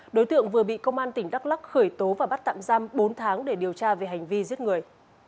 đối tượng vừa bị công an tỉnh đắk lắc khởi tố và bắt tạm giam bốn tháng để điều tra về hành vi giết người